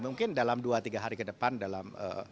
mungkin dalam dua tiga hari ke depan dalam